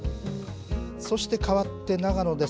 そしてかわって長野です。